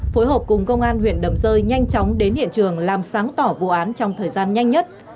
phối hợp cùng công an huyện đầm rơi nhanh chóng đến hiện trường làm sáng tỏ vụ án trong thời gian nhanh nhất